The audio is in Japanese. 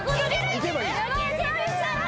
行けばいいの？